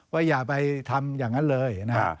อย่าไปทำอย่างนั้นเลยนะฮะ